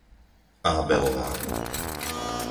Ábelová